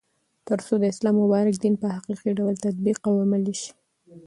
ترڅو د اسلام مبارک دين په حقيقي ډول تطبيق او عملي سي